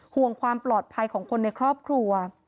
ห่วงความปลอดภัยของคนในครอบครัว